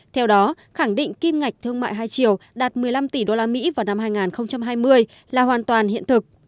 theo đó khẳng định kim ngạch thương mại hai triệu đạt một mươi năm tỷ usd vào năm hai nghìn hai mươi là hoàn toàn hiện thực